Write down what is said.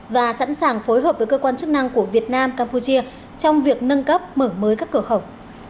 và sẵn sàng phối hợp với cơ quan chức năng của việt nam campuchia trong việc nâng cấp mở mới các cửa khẩu